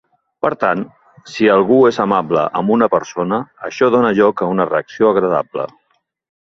Per tant, si algú és amable amb una persona, això dóna lloc a una reacció agradable